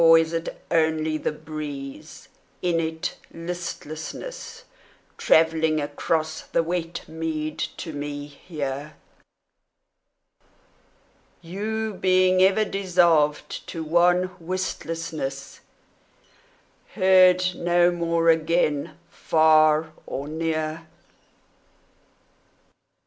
Or is it only the breeze, in its listlessness Travelling across the wet mead to me here, You being ever dissolved to wan wistlessness, Heard no more again far or near?